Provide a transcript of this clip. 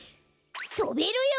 とべるよ！